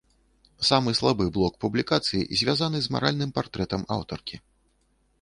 Самы слабы блок публікацыі звязаны з маральным партрэтам аўтаркі.